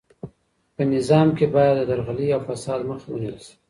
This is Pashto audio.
په نظام کې باید د درغلۍ او فساد مخه ونیول سي.